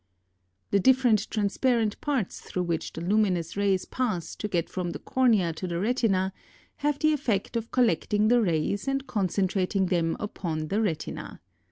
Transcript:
The different transparent parts through which the lumi nous rays pass to get from the cornea to the retina, have the effect of collecting the rays and concentrating them upon the retina.